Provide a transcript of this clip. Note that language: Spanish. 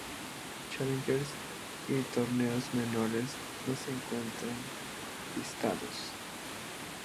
Challengers y torneos menores no se encuentran listados.